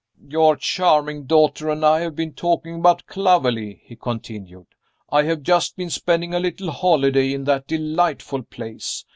"Your charming daughter and I have been talking about Clovelly," he continued. "I have just been spending a little holiday in that delightful place.